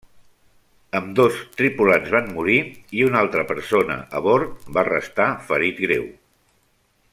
Ambdós tripulants van morir, i una altra persona a bord va restar ferit greu.